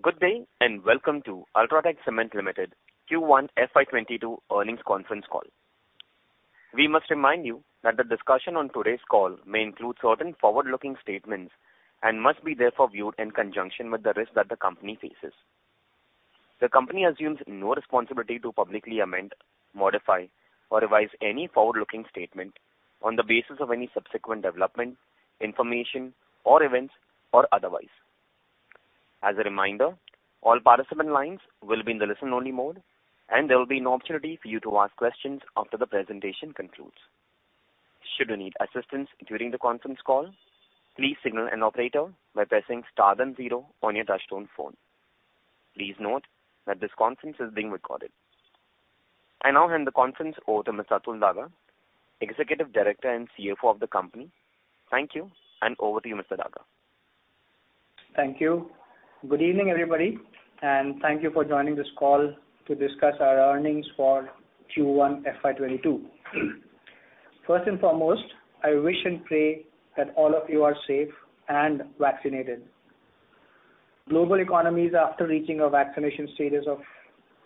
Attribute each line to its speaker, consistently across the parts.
Speaker 1: Good day. Welcome to UltraTech Cement Limited Q1 FY 2022 Earnings Conference Call. We must remind you that the discussion on today's call may include certain forward-looking statements and must be therefore viewed in conjunction with the risk that the company faces. The company assumes no responsibility to publicly amend, modify, or revise any forward-looking statement on the basis of any subsequent development, information, or events, or otherwise. As a reminder, all participant lines will be in the listen-only mode, and there will be an opportunity for you to ask questions after the presentation concludes. Should you need assistance during the conference call, please signal an operator by pressing star then 0 on your touchtone phone. Please note that this conference is being recorded. I now hand the conference over to Mr. Atul Daga, Executive Director and CFO of the company. Thank you. Over to you, Mr. Daga.
Speaker 2: Thank you. Good evening, everybody, and thank you for joining this call to discuss our earnings for Q1 FY 2022. First and foremost, I wish and pray that all of you are safe and vaccinated. Global economies, after reaching a vaccination status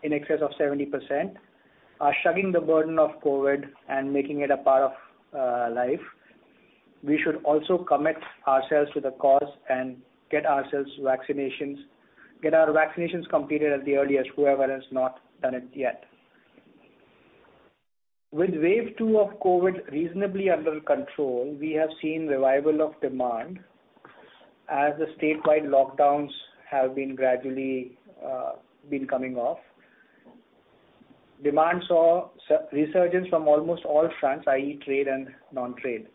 Speaker 2: in excess of 70%, are shrugging the burden of COVID and making it a part of life. We should also commit ourselves to the cause and get ourselves vaccinations, get our vaccinations completed at the earliest, whoever has not done it yet. With wave two of COVID reasonably under control, we have seen revival of demand as the statewide lockdowns have been gradually been coming off. Demand saw resurgence from almost all fronts, i.e., trade and non-trade.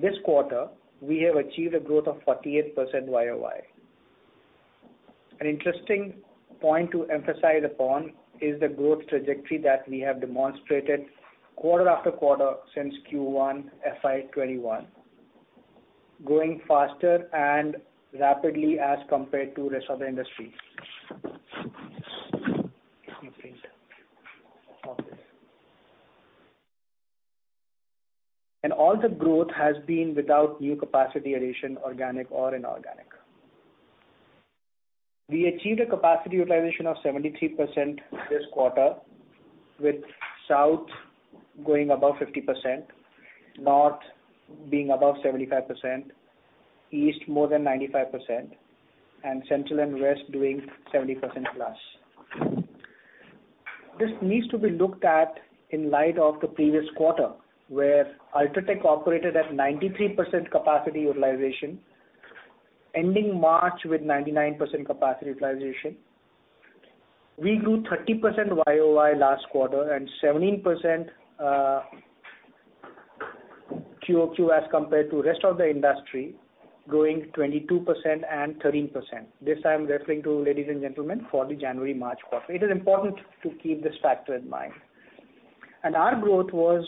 Speaker 2: This quarter, we have achieved a growth of 48% YOY. An interesting point to emphasize upon is the growth trajectory that we have demonstrated quarter after quarter since Q1 FY 2021, growing faster and rapidly as compared to rest of the industry. All the growth has been without new capacity addition, organic or inorganic. We achieved a capacity utilization of 73% this quarter, with South going above 50%, North being above 75%, East more than 95%, and Central and West doing 70%+. This needs to be looked at in light of the previous quarter, where UltraTech operated at 93% capacity utilization, ending March with 99% capacity utilization. We grew 30% YOY last quarter and 17% QoQ as compared to rest of the industry, growing 22% and 13%. This I'm referring to, ladies and gentlemen, for the January-March quarter. It is important to keep this factor in mind. Our growth was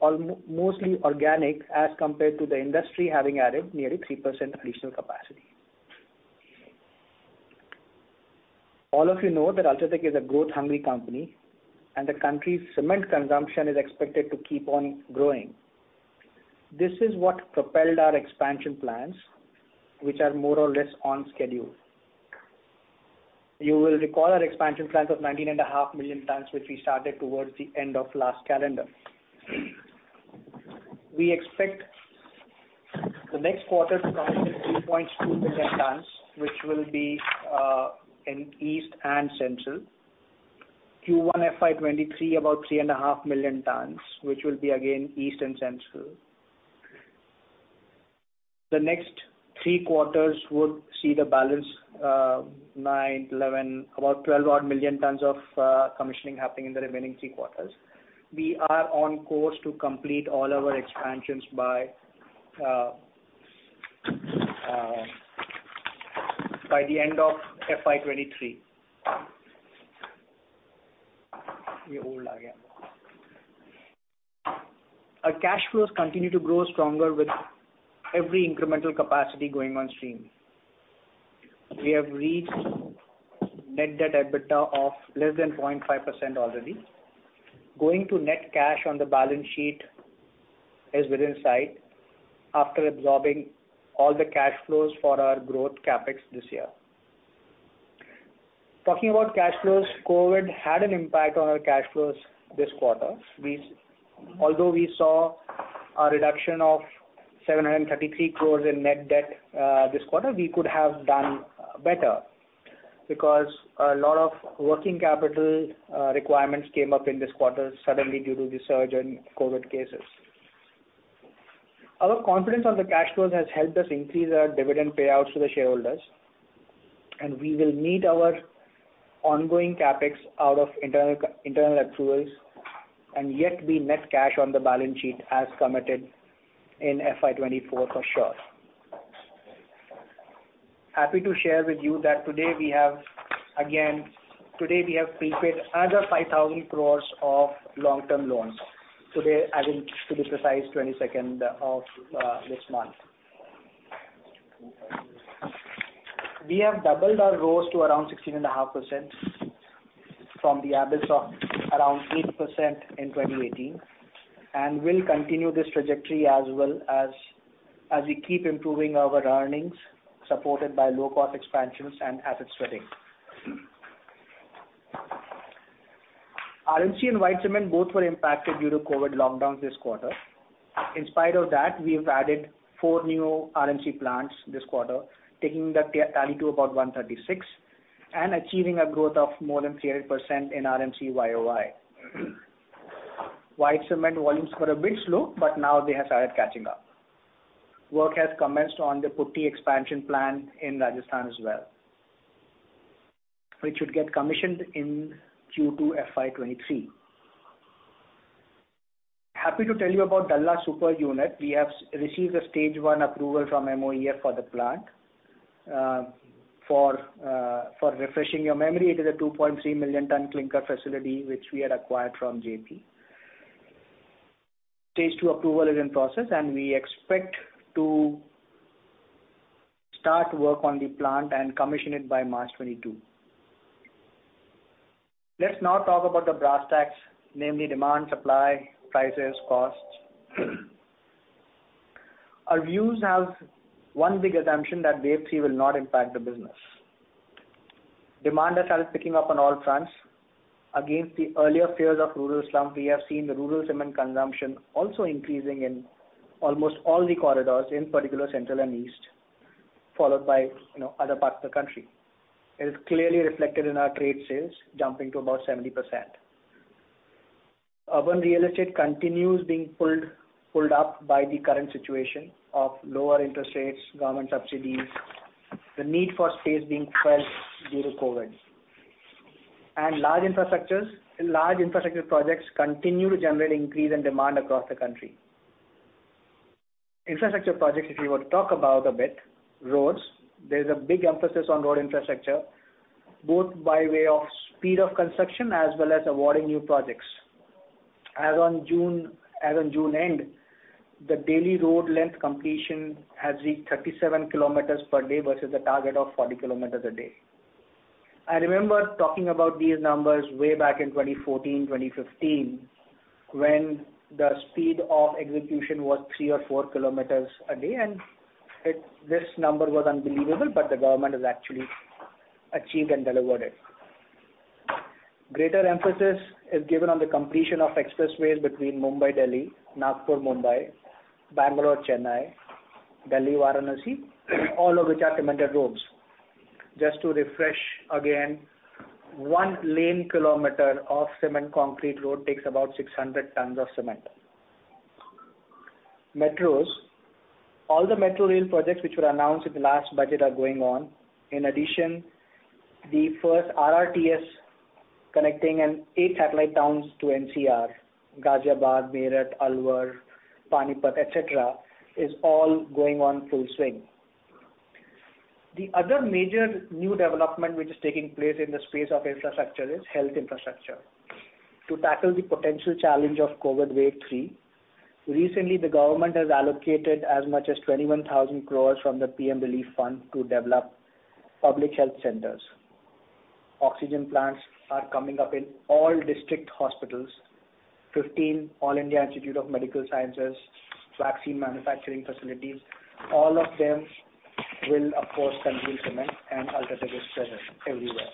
Speaker 2: mostly organic as compared to the industry having added nearly 3% additional capacity. All of you know that UltraTech is a growth-hungry company, and the country's cement consumption is expected to keep on growing. This is what propelled our expansion plans, which are more or less on schedule. You will recall our expansion plans of 19.5 million tons, which we started towards the end of last calendar. We expect the next quarter to come in at 3.2 million tons, which will be in East and Central. Q1 FY 2023, about 3.5 million tons, which will be again East and Central. The next three quarters would see the balance, about 12 [inaudible] million tons of commissioning happening in the remaining three quarters. We are on course to complete all our expansions by the end of FY 2023. Our cash flows continue to grow stronger with every incremental capacity going on stream. We have reached net debt EBITDA of less than 0.5% already. Going to net cash on the balance sheet is within sight after absorbing all the cash flows for our growth CapEx this year. Talking about cash flows, COVID had an impact on our cash flows this quarter. Although we saw a reduction of 733 crore in net debt this quarter, we could have done better because a lot of working capital requirements came up in this quarter suddenly due to the surge in COVID cases. Our confidence on the cash flows has helped us increase our dividend payouts to the shareholders, and we will meet our ongoing CapEx out of internal approvals, and yet be net cash on the balance sheet as committed in FY 2024 for sure. Happy to share with you that today we have prepaid another 5,000 crore of long-term loans. Today, to be precise, 22nd of this month. We have doubled our ROEs to around 16.5% from the abyss of around 8% in 2018. We'll continue this trajectory as we keep improving our earnings, supported by low-cost expansions and asset sweating. RMC and white cement both were impacted due to COVID lockdowns this quarter. In spite of that, we have added four new RMC plants this quarter, taking the tally to about 136 and achieving a growth of more than 300% in RMC YoY. White cement volumes were a bit slow, now they have started catching up. Work has commenced on the Putty expansion plant in Rajasthan as well, which should get commissioned in Q2 FY 2023. Happy to tell you about Dalla super unit. We have received the stage one approval from MOEF for the plant. For refreshing your memory, it is a 2.3 million tons clinker facility which we had acquired from Jaypee. Stage two approval is in process, and we expect to start work on the plant and commission it by March 2022. Let's now talk about the brass tacks, namely demand, supply, prices, costs. Our views have one big assumption that wave three will not impact the business. Demand has started picking up on all fronts. Against the earlier fears of rural slump, we have seen the rural cement consumption also increasing in almost all the corridors, in particular central and east, followed by other parts of the country. It is clearly reflected in our trade sales, jumping to about 70%. Urban real estate continues being pulled up by the current situation of lower interest rates, government subsidies, the need for space being felt due to COVID. Large infrastructure projects continue to generate increase in demand across the country. Infrastructure projects, if you were to talk about a bit, roads, there's a big emphasis on road infrastructure, both by way of speed of construction as well as awarding new projects. As on June end, the daily road length completion has reached 37 km per day versus a target of 40 km a day. I remember talking about these numbers way back in 2014, 2015, when the speed of execution was 3 km or 4 km a day, this number was unbelievable, the government has actually achieved and delivered it. Greater emphasis is given on the completion of expressways between Mumbai-Delhi, Nagpur-Mumbai, Bangalore-Chennai, Delhi-Varanasi, all of which are cemented roads. Just to refresh again, one lane kilometer of cement concrete road takes about 600 tons of cement. Metros, all the metro rail projects which were announced in the last budget are going on. In addition, the first RRTS connecting eight satellite towns to NCR, Ghaziabad, Meerut, Alwar, Panipat, et cetera, is all going on full swing. The other major new development which is taking place in the space of infrastructure is health infrastructure. To tackle the potential challenge of COVID wave three, recently, the government has allocated as much as 21,000 crore from the PM Relief Fund to develop public health centers. Oxygen plants are coming up in all district hospitals, 15 All India Institute of Medical Sciences, vaccine manufacturing facilities, all of them will, of course, consume cement, and UltraTech is present everywhere.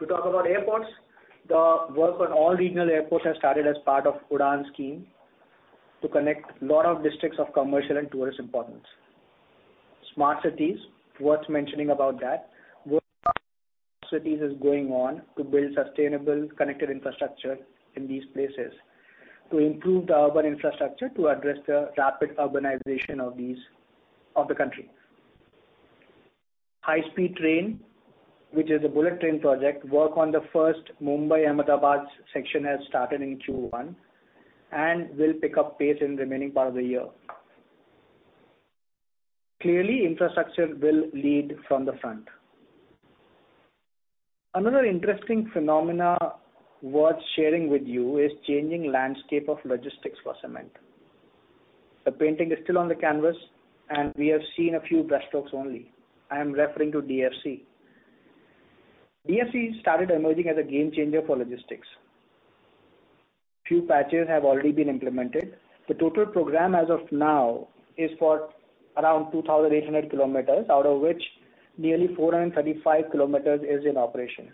Speaker 2: To talk about airports, the work on all regional airports has started as part of UDAN scheme to connect lot of districts of commercial and tourist importance. Smart Cities, worth mentioning about that. [inaudibl is going on to build sustainable, connected infrastructure in these places to improve the urban infrastructure to address the rapid urbanization of the country. High-speed train, which is a bullet train project, work on the first Mumbai-Ahmedabad section has started in Q1, and will pick up pace in the remaining part of the year. Clearly, infrastructure will lead from the front. Another interesting phenomena worth sharing with you is changing landscape of logistics for cement. The painting is still on the canvas. We have seen a few brush strokes only. I am referring to DFC. DFC started emerging as a game changer for logistics. Few patches have already been implemented. The total program as of now is for around 2,800 km, out of which nearly 435 km is in operation.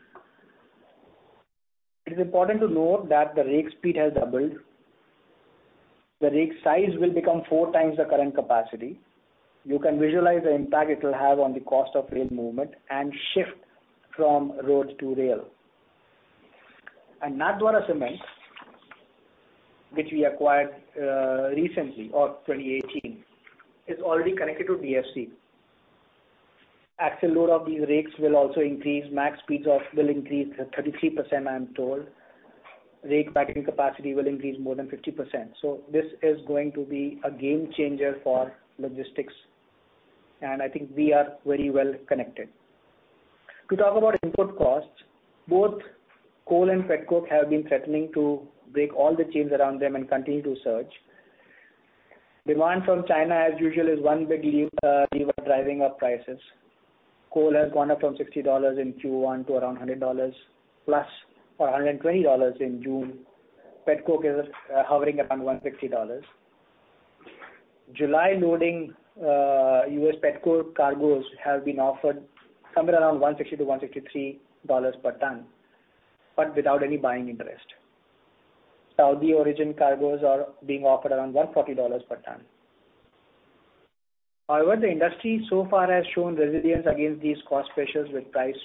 Speaker 2: It is important to note that the rake speed has doubled. The rake size will become 4x the current capacity. You can visualize the impact it will have on the cost of rail movement and shift from road to rail. Nathdwara Cement, which we acquired recently, of 2018, is already connected to DFC. Axle load of these rakes will also increase, max speeds off will increase 33%, I am told. Rake packing capacity will increase more than 50%. This is going to be a game changer for logistics, and I think we are very well connected. To talk about input costs, both coal and petcoke have been threatening to break all the chains around them and continue to surge. Demand from China, as usual, is one big lever driving up prices. Coal has gone up from $60 in Q1 to around $100+ or $120 in June. Petcoke is hovering around $150. July loading U.S. petcoke cargoes have been offered somewhere around $160-$163 per ton, but without any buying interest. Saudi origin cargoes are being offered around $140 per ton. However, the industry so far has shown resilience against these cost pressures with price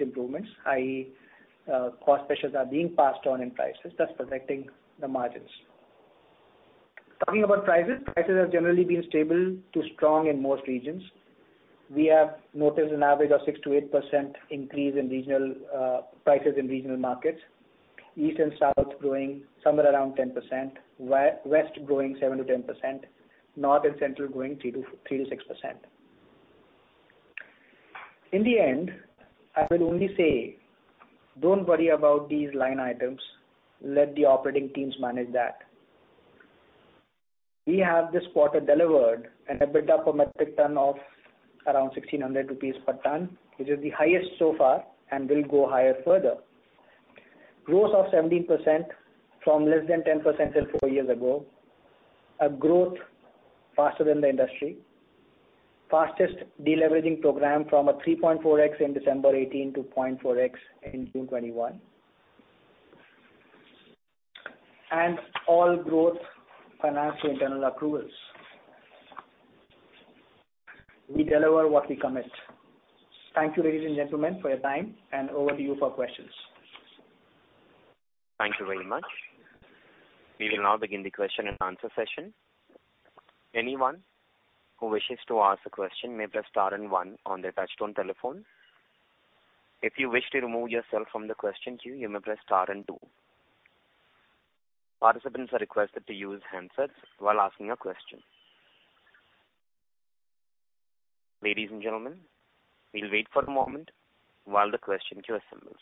Speaker 2: improvements. i.e., cost pressures are being passed on in prices thus protecting the margins. Talking about prices have generally been stable to strong in most regions. We have noticed an average of 6%-8% increase in prices in regional markets. East and South growing somewhere around 10%, West growing 7%-10%, North and Central growing 3%-6%. In the end, I will only say, don't worry about these line items, let the operating teams manage that. We have this quarter delivered an EBITDA per metric ton of around 1,600 rupees per ton, which is the highest so far and will go higher further. Growth of 17% from less than 10% till four years ago. A growth faster than the industry. Fastest deleveraging program from a 3.4x in December 2018 to 0.4x in June 2021. All growth financed through internal accruals. We deliver what we commit. Thank you, ladies and gentlemen, for your time, and over to you for questions.
Speaker 1: Thank you very much. We will now begin the question and answer session. Anyone who wishes to ask a question may press star and one on their touch-tone telephone. If you wish to remove yourself from the question queue, you may press star and two. Participants are requested to use handsets while asking a question. Ladies and gentlemen, we'll wait for a moment while the question queue assembles.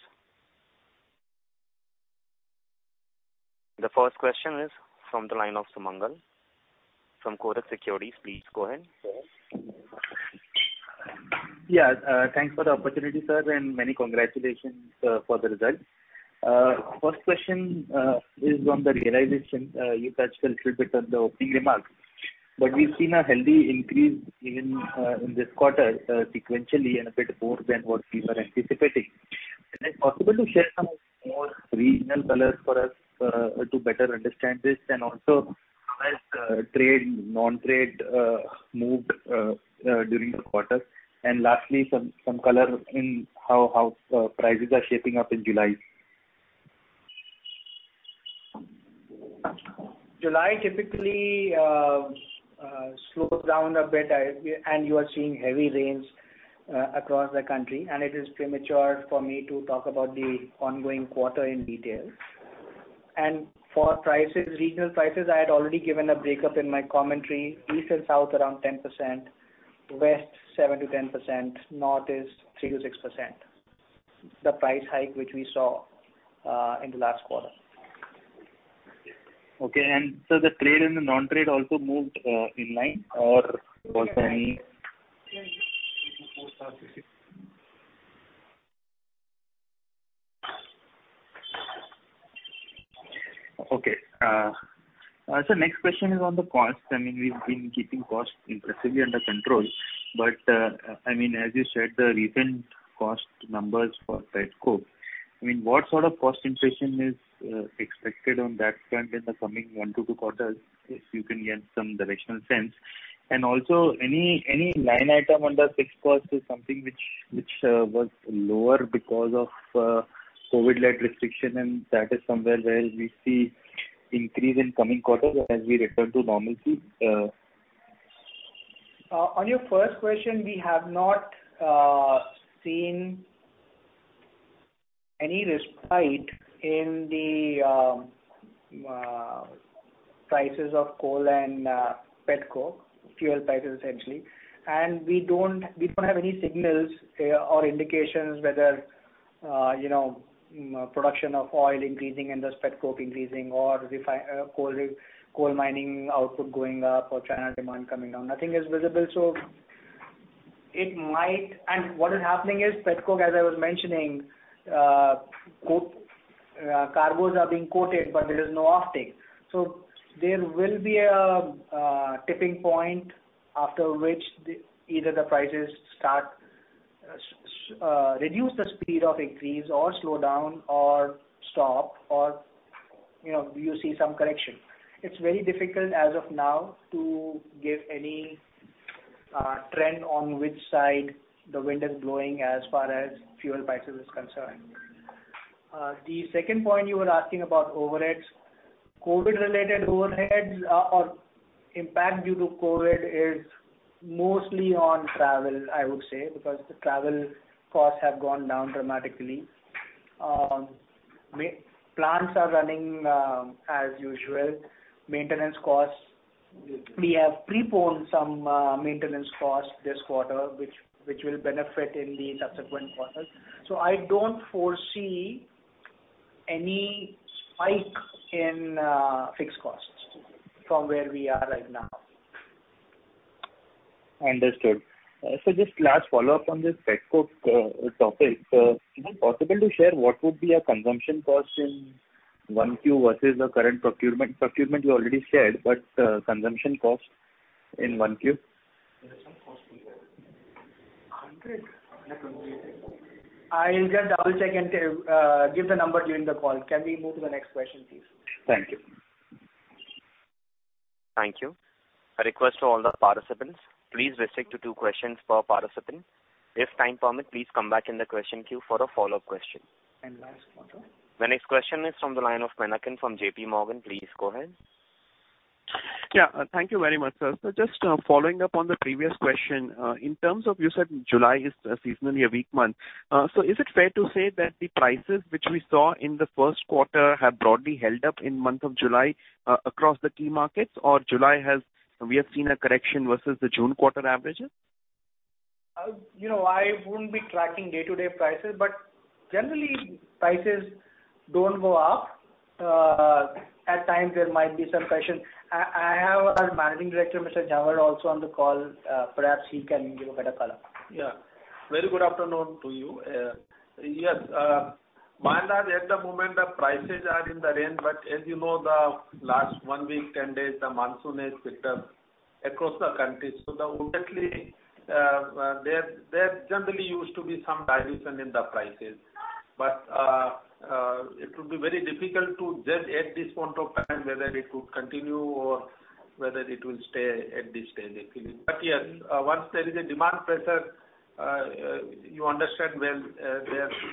Speaker 1: The first question is from the line of Sumangal from Kotak Securities. Please go ahead.
Speaker 3: Thanks for the opportunity, sir, and many congratulations for the results. First question is on the realization. You touched a little bit on the opening remarks, but we've seen a healthy increase even in this quarter sequentially and a bit more than what we were anticipating. Is it possible to share some more regional colors for us to better understand this? Also, [inaudible] trade, non-trade moved during the quarter? Lastly, some color in how prices are shaping up in July.
Speaker 2: July typically slows down a bit, and you are seeing heavy rains across the country, and it is premature for me to talk about the ongoing quarter in detail. For regional prices, I had already given a breakup in my commentary. East and South, around 10%, West, 7%-10%, North is 3%-6%. The price hike which we saw in the last quarter.
Speaker 3: Okay. The trade and the non-trade also moved in line? Sir, next question is on the cost. We've been keeping costs impressively under control, as you said, the recent cost numbers for petcoke. What sort of cost inflation is expected on that front in the coming one to two quarters, if you can give some directional sense? Also any line item under fixed cost is something which was lower because of COVID-led restriction, and that is somewhere where we see increase in coming quarters as we return to normalcy?
Speaker 2: On your first question, we have not seen any respite in the prices of coal and petcoke, fuel prices, essentially. We don't have any signals or indications whether production of oil increasing and thus petcoke increasing, or coal mining output going up or China demand coming down. Nothing is visible. What is happening is petcoke, as I was mentioning, cargoes are being quoted, but there is no offtake. There will be a tipping point after which either the prices reduce the speed of increase or slow down or stop, or you see some correction. It's very difficult as of now to give any trend on which side the wind is blowing as far as fuel prices is concerned. The second point you were asking about overheads. COVID related overheads or impact due to COVID is mostly on travel, I would say, because the travel costs have gone down dramatically. Plants are running as usual. Maintenance costs, we have preponed some maintenance costs this quarter, which will benefit in the subsequent quarters. I don't foresee any spike in fixed costs from where we are right now.
Speaker 3: Understood. Just last follow-up on this petcoke topic. Is it possible to share what would be a consumption cost in 1Q versus the current procurement? Procurement you already shared, but consumption cost in 1Q.
Speaker 2: I'll just double-check and give the number during the call. Can we move to the next question, please?
Speaker 3: Thank you.
Speaker 1: Thank you. A request to all the participants. Please restrict to two questions per participant. If time permits, please come back in the question queue for a follow-up question.
Speaker 3: Last. [inaudible]
Speaker 1: The next question is from the line of Menakan from JPMorgan. Please go ahead.
Speaker 4: Yeah. Thank you very much, sir. Just following up on the previous question. In terms of, you said July is seasonally a weak month. Is it fair to say that the prices which we saw in the first quarter have broadly held up in the month of July across the key markets, or July we have seen a correction versus the June quarter averages?
Speaker 2: I wouldn't be tracking day-to-day prices. Generally, prices don't go up. At times there might be some pressure. I have our Managing Director, Mr. Jhanwar, also on the call. Perhaps he can give a better color.
Speaker 5: Very good afternoon to you. [inaudible] at the moment, the prices are in the range, but as you know, the last one week, 10 days, the monsoon has picked up across the country. Ultimately, there generally used to be some dilution in the prices. It will be very difficult to judge at this point of time whether it could continue or whether it will stay at this stage. Yes, once there is a demand pressure, you understand well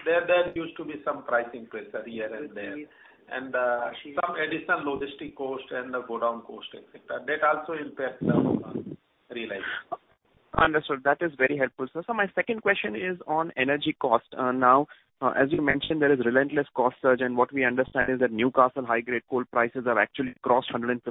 Speaker 5: there used to be some pricing pressure here and there. Some additional logistic cost and the godown cost, et cetera. That also impacts the realization.
Speaker 4: Understood. That is very helpful, sir. My second question is on energy cost. As you mentioned, there is relentless cost surge, and what we understand is that Newcastle high-grade coal prices have actually crossed $150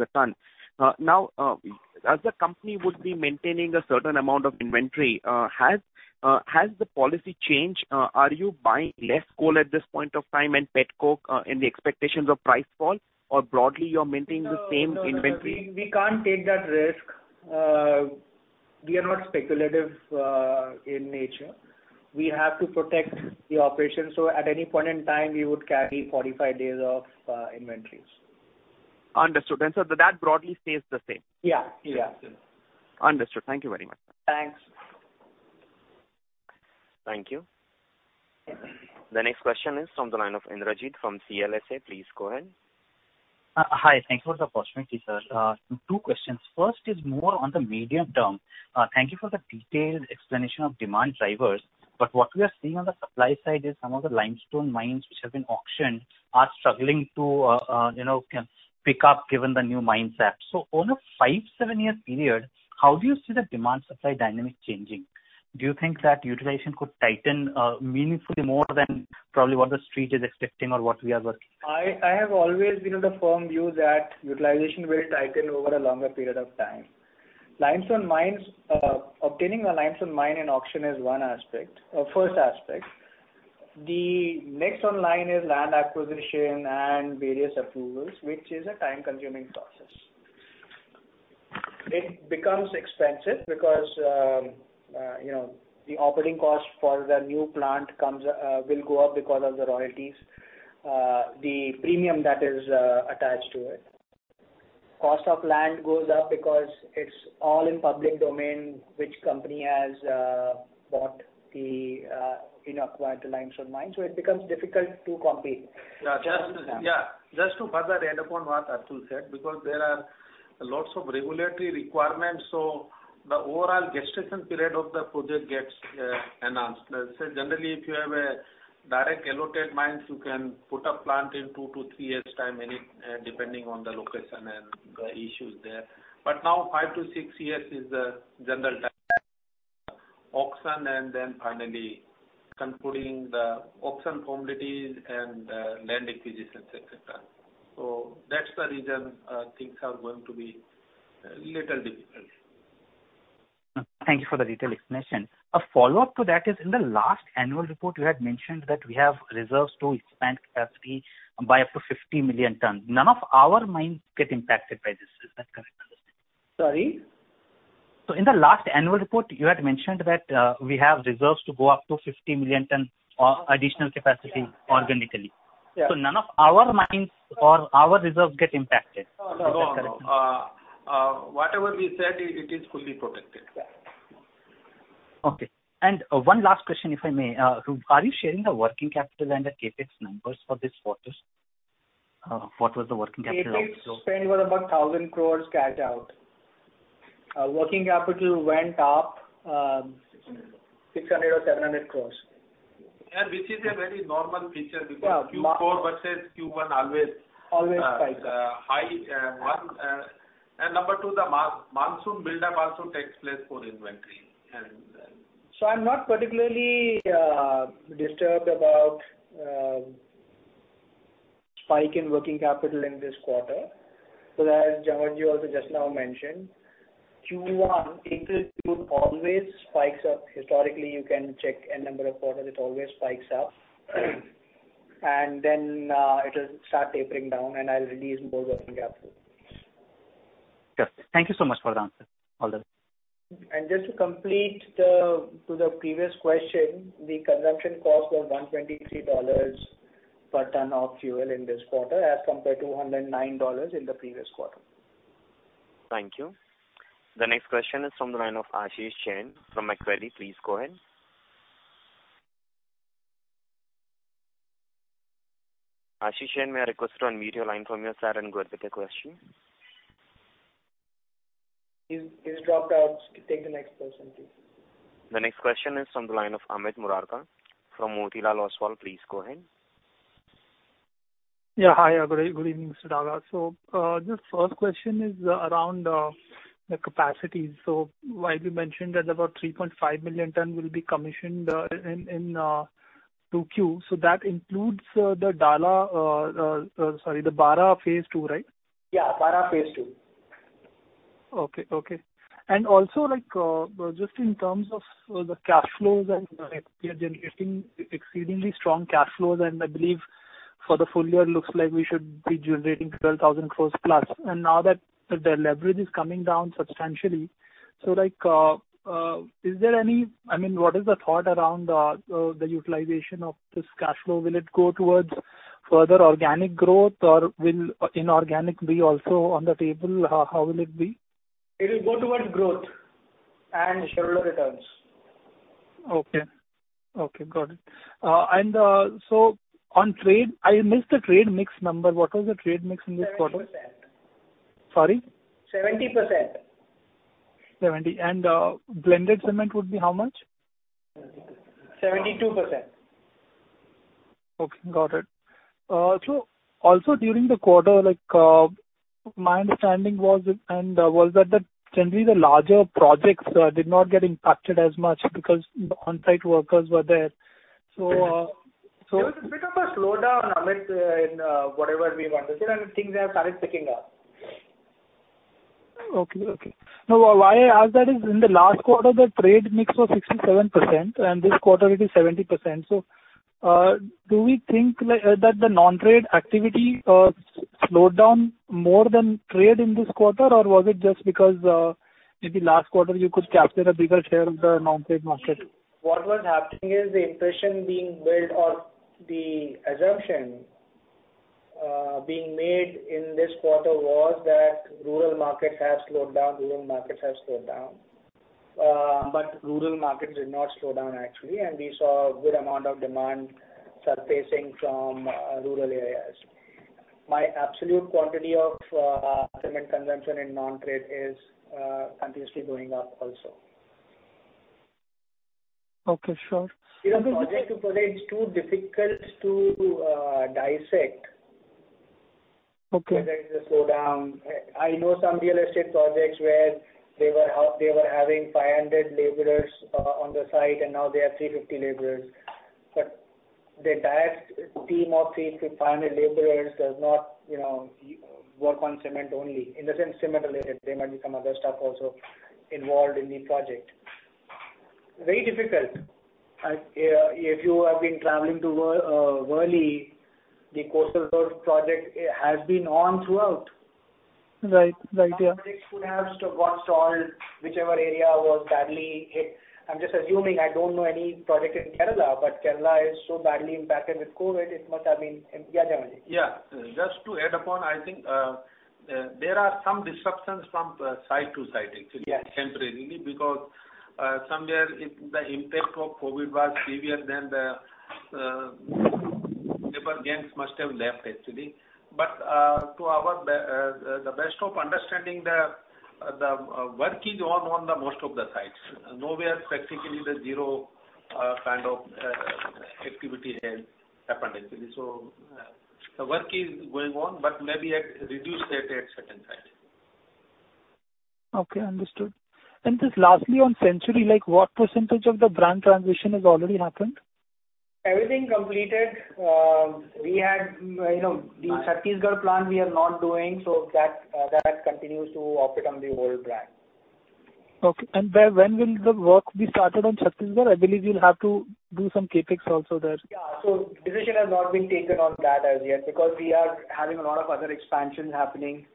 Speaker 4: a ton. As the company would be maintaining a certain amount of inventory, has the policy changed? Are you buying less coal at this point of time and petcoke in the expectations of price fall, or broadly, you're maintaining the same inventory?
Speaker 2: No. We can't take that risk. We are not speculative in nature. We have to protect the operation. At any point in time, we would carry 45 days of inventories.
Speaker 4: Understood. That broadly stays the same?
Speaker 2: Yeah.
Speaker 4: Understood. Thank you very much.
Speaker 2: Thanks.
Speaker 1: Thank you. The next question is from the line of Indrajit from CLSA. Please go ahead.
Speaker 6: Hi. Thank you for the opportunity, sir. Two questions. First is more on the medium term. Thank you for the detailed explanation of demand drivers. What we are seeing on the supply side is some of the limestone mines which have been auctioned are struggling to pick up given the new mine setup. Over a five-seven-year period, how do you see the demand-supply dynamic changing? Do you think that utilization could tighten meaningfully more than probably what the street is expecting or what we are working on?
Speaker 2: I have always been of the firm view that utilization will tighten over a longer period of time. Obtaining a limestone mine in auction is one aspect, or first aspect. The next on line is land acquisition and various approvals, which is a time-consuming process. It becomes expensive because the operating cost for the new plant will go up because of the royalties. The premium that is attached to it. Cost of land goes up because it's all in public domain, which company has acquired the limestone mine. It becomes difficult to compete.
Speaker 5: Yeah. Just to further add upon what Atul said, because there are lots of regulatory requirements, the overall gestation period of the project gets enhanced. Generally, if you have a direct allotted mine, you can put a plant in 2-3 years' time, depending on the location and the issues there. Now 5-6 years is the general time. Auction, then finally concluding the auction formalities and land acquisition, et cetera. That's the reason things are going to be a little difficult.
Speaker 6: Thank you for the detailed explanation. A follow-up to that is in the last annual report, you had mentioned that we have reserves to expand capacity by up to 50 million tons. None of our mines get impacted by this. Is that correct?
Speaker 2: Sorry?
Speaker 6: In the last annual report, you had mentioned that we have reserves to go up to 50 million ton additional capacity organically.
Speaker 2: Yeah.
Speaker 6: None of our mines or our reserves get impacted.
Speaker 2: No.
Speaker 5: No.
Speaker 2: Whatever we said, it is fully protected.
Speaker 6: Okay. One last question, if I may? Are you sharing the working capital and the CapEx numbers for this quarter? What was the working capital also?
Speaker 2: CapEx spend was about 1,000 crore cash out. Working capital went up. 600 or 700 crore.
Speaker 5: This is a very normal feature because Q4 versus Q1 always.
Speaker 2: Always spikes.
Speaker 5: High one. Number two, the monsoon buildup also takes place for inventory.
Speaker 2: I'm not particularly disturbed about spike in working capital in this quarter. As Jhanwar ji also just now mentioned, Q1 it will always spike up. Historically, you can check any number of quarters, it always spikes up. It'll start tapering down, and it'll release more working capital.
Speaker 6: Yes. Thank you so much for the answer. All the best.
Speaker 2: Just to complete to the previous question, the consumption cost was $123 per ton of fuel in this quarter as compared to $109 in the previous quarter.
Speaker 1: Thank you. The next question is from the line of Ashish Jain from Macquarie. Please go ahead. Ashish Jain, may I request you to unmute your line from your side and go ahead with your question.
Speaker 2: He's dropped out. Take the next person, please.
Speaker 1: The next question is from the line of Amit Murarka from Motilal Oswal. Please go ahead.
Speaker 7: Hi, good evening, Mr. Daga. Just first question is around the capacity. While you mentioned that about 3.5 million tons will be commissioned in 2Q. That includes the Dalla, sorry, the Bara phase II, right?
Speaker 2: Yeah, Bara phase II.
Speaker 7: Okay. Also, just in terms of the cash flows and you're generating exceedingly strong cash flows, I believe for the full year, looks like we should be generating 12,000+ crore. Now that the leverage is coming down substantially, what is the thought around the utilization of this cash flow? Will it go towards further organic growth, or will inorganic be also on the table? How will it be?
Speaker 2: It will go towards growth and shareholder returns.
Speaker 7: Okay. Got it. On trade, I missed the trade mix number. What was the trade mix in this quarter?
Speaker 2: 70%.
Speaker 7: Sorry?
Speaker 2: 70%.
Speaker 7: Blended cement would be how much?
Speaker 2: 72%.
Speaker 7: Okay, got it. Also during the quarter, my understanding was that generally the larger projects did not get impacted as much because the on-site workers were there.
Speaker 2: There was a bit of a slowdown, Amit, in whatever we understood, and things have started picking up.
Speaker 7: Okay. Why I ask that is in the last quarter, the trade mix was 67%, and this quarter it is 70%. Do we think that the non-trade activity slowed down more than trade in this quarter, or was it just because, maybe last quarter, you could capture a bigger share of the non-trade market?
Speaker 2: What was happening is the impression being built or the assumption being made in this quarter was that rural markets have slowed down, urban markets have slowed down. Rural markets did not slow down actually, and we saw a good amount of demand surfacing from rural areas. My absolute quantity of cement consumption in non-trade is continuously going up also.
Speaker 7: Okay, sure.
Speaker 2: You know, [inaudible] it's too difficult to dissect.
Speaker 7: Okay.
Speaker 2: Whether it's a slowdown. I know some real estate projects where they were having 500 laborers on the site, and now they have 350 laborers. The entire team of 350 laborers does not work on cement only. In the sense cement related, there might be some other stuff also involved in the project. Very difficult. If you have been traveling to Worli, the Coastal Road project has been on throughout.
Speaker 7: Right. Yeah.
Speaker 2: Some projects could have got stalled, whichever area was badly hit. I'm just assuming, I don't know any project in Kerala, but Kerala is so badly impacted with COVID, it must have been Yeah, Jhanwar ji.
Speaker 5: Yeah. Just to add upon, I think there are some disruptions from site to site actually.
Speaker 2: Yes.
Speaker 5: Temporarily, because somewhere the impact of COVID was severe than the labor gangs must have left, actually. To the best of our understanding, the work is on on the most of the sites. Nowhere practically the zero kind of activity happened, actually. The work is going on, but maybe at reduced rate at certain sites.
Speaker 7: Okay, understood. Just lastly, on Century, what percentage of the brand transition has already happened?
Speaker 2: Everything completed. The Chhattisgarh plant we are not doing, so that continues to operate on the old brand.
Speaker 7: Okay. When will the work be started on Chhattisgarh? I believe you'll have to do some CapEx also there.
Speaker 2: Yeah. Decision has not been taken on that as yet because we are having a lot of other expansions happening.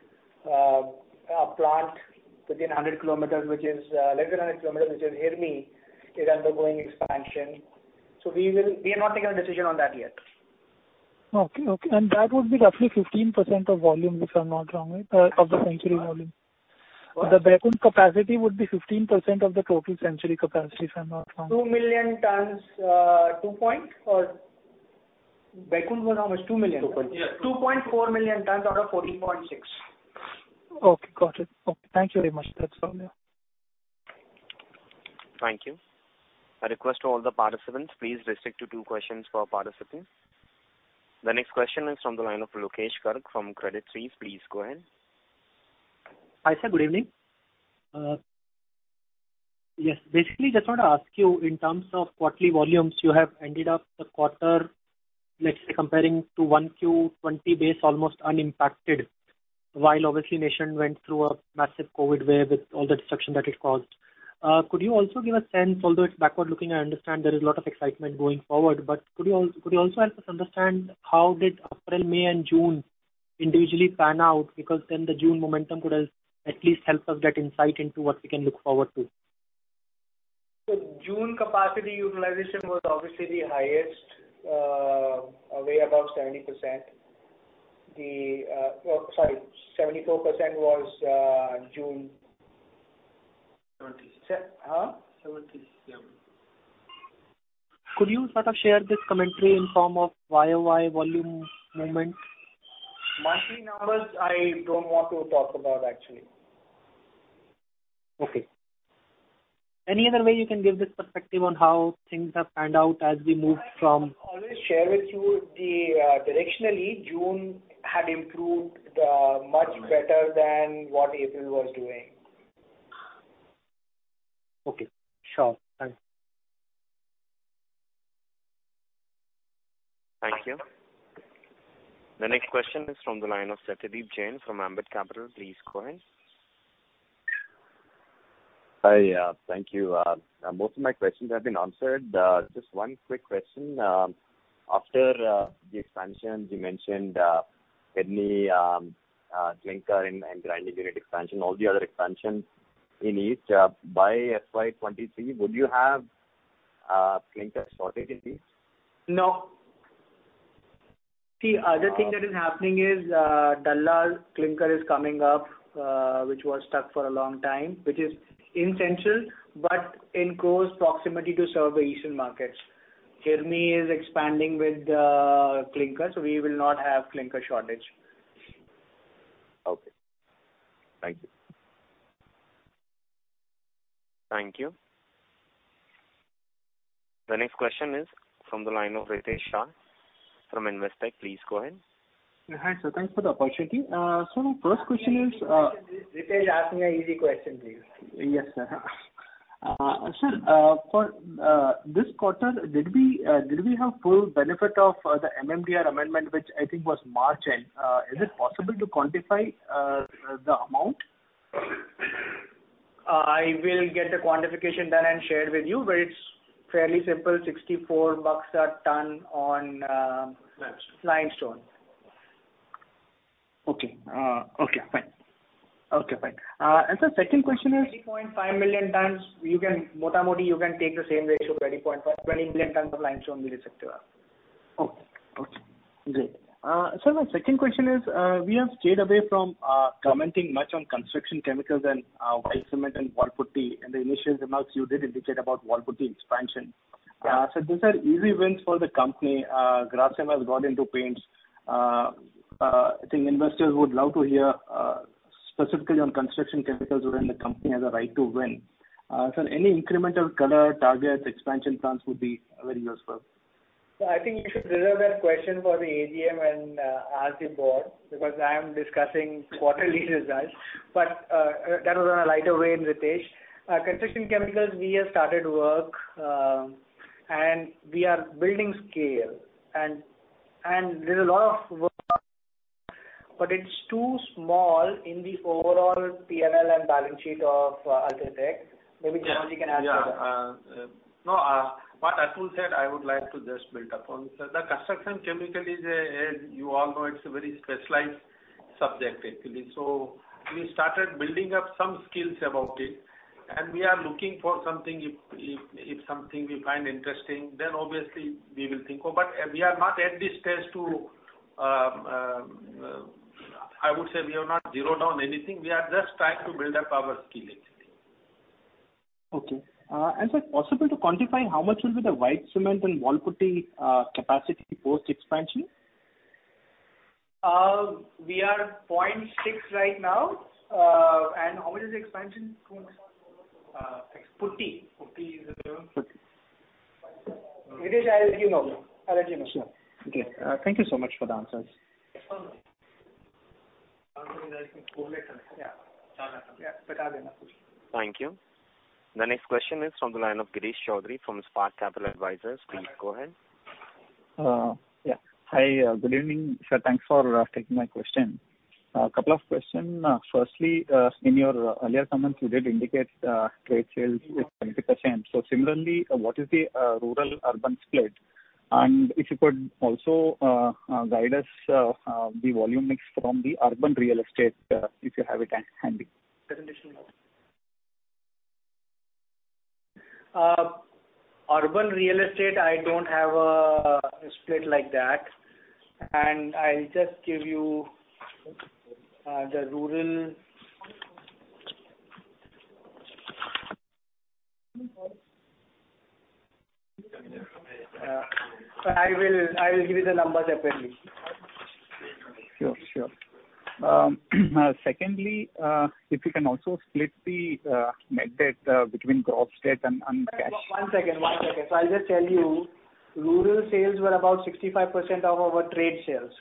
Speaker 2: A plant within 100 km, less than 100 km, which is Hirmi, is undergoing expansion. We have not taken a decision on that yet.
Speaker 7: Okay. That would be roughly 15% of volume, if I'm not wrong, Amit, of the Century volume.
Speaker 2: Right.
Speaker 7: The Baikunth capacity would be 15% of the total Century capacity, if I'm not wrong.
Speaker 2: 2 million tons, or Baikunth was how much? 2 million.
Speaker 5: Two point.
Speaker 2: 2.4 million tons out of 14.6 million.
Speaker 7: Okay, got it. Okay, thank you very much. That's all, yeah.
Speaker 1: Thank you. I request all the participants, please restrict to two questions per participant. The next question is from the line of Lokesh Garg from Credit Suisse. Please go ahead.
Speaker 8: Hi, sir. Good evening. Yes. Basically, just want to ask you in terms of quarterly volumes, you have ended up the quarter, let's say comparing to 1Q 2020 base, almost unimpacted, while obviously the nation went through a massive COVID wave with all the destruction that it caused. Could you also give a sense, although it's backward-looking, I understand there is a lot of excitement going forward, could you also help us understand how did April, May, and June individually pan out? The June momentum could at least help us get insight into what we can look forward to.
Speaker 2: June capacity utilization was obviously the highest, way above 70%. Sorry, 74% was June.
Speaker 5: 77%.
Speaker 8: Could you sort of share this commentary in form of YOY volume movement?
Speaker 2: Monthly numbers I don't want to talk about, actually.
Speaker 8: Okay. Any other way you can give this perspective on how things have panned out as we moved from-
Speaker 2: I can always share with you directionally, June had improved much better than what April was doing.
Speaker 8: Okay, sure. Thank you.
Speaker 1: Thank you. The next question is from the line of Satyadeep Jain from Ambit Capital. Please go ahead.
Speaker 9: Hi. Thank you. Most of my questions have been answered. Just one quick question. After the expansion, you mentioned Hirmi clinker and grinding unit expansion, all the other expansion in east. By FY 2023, would you have clinker shortage at least?
Speaker 2: No. See, other thing that is happening is Dalla clinker is coming up, which was stuck for a long time, which is in central, but in close proximity to serve the eastern markets. Hirmi is expanding with clinker, so we will not have clinker shortage.
Speaker 9: Okay. Thank you.
Speaker 1: Thank you. The next question is from the line of Ritesh Shah from Investec. Please go ahead.
Speaker 10: Hi, sir. Thanks for the opportunity.
Speaker 2: Ritesh, ask me an easy question, please.
Speaker 10: Yes, sir. Sir, for this quarter, did we have full benefit of the MMDR amendment, which I think was March end? Is it possible to quantify the amount?
Speaker 2: I will get the quantification done and shared with you, but it's fairly simple, 64 [inaudible] ton.
Speaker 5: Limestone.
Speaker 2: Limestone.
Speaker 10: Okay, fine. Sir, second question is.
Speaker 2: 30.5 million tons. You can take the same ratio, 20 million tons of limestone we received.
Speaker 10: Okay, great. Sir, my second question is, we have stayed away from commenting much on construction chemicals and white cement and wall putty. In the initial remarks you did indicate about wall putty expansion. These are easy wins for the company. Grasim has got into paints. I think investors would love to hear specifically on construction chemicals wherein the company has a right to win. Sir, any incremental color, targets, expansion plans would be very useful.
Speaker 2: I think you should reserve that question for the AGM and ask the board, because I am discussing quarterly results. That was on a lighter vein, Ritesh. Construction chemicals, we have started work, and we are building scale. There's a lot of work, but it's too small in the overall P&L and balance sheet of UltraTech. Maybe Jhanwar can add to that.
Speaker 5: Yeah. No, what Atul said, I would like to just build upon. Sir, the construction chemical, as you all know, it's a very specialized subject, actually. We started building up some skills about it, and we are looking for something. If something we find interesting, then obviously we will think. We are not at the stage, I would say we have not zeroed on anything. We are just trying to build up our skill, actually.
Speaker 10: Okay. sir, is it possible to quantify how much will be the white cement and wall putty capacity post-expansion?
Speaker 2: We are 0.6 right now. How much is the expansion?
Speaker 5: Putty.
Speaker 2: Putty. Ritesh, I'll let you know.
Speaker 10: Sure. Okay. Thank you so much for the answers.
Speaker 2: No problem.
Speaker 1: Thank you. The next question is from the line of Girish Choudhary from Spark Capital Advisors. Please go ahead.
Speaker 11: Hi. Good evening, sir. Thanks for taking my question. A couple of questions. In your earlier comments, you did indicate trade sales is. [inaudible] Similarly, what is the rural-urban split? If you could also guide us the volume mix from the urban real estate, if you have it handy.
Speaker 2: Urban real estate, I don't have a split like that. I'll just give you the rural. I will give you the numbers separately.
Speaker 11: Sure. Secondly, if you can also split the net debt between gross debt and cash.
Speaker 2: One second. I'll just tell you, rural sales were about 65% of our trade sales.